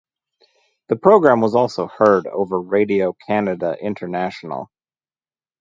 The program was also heard over Radio Canada International.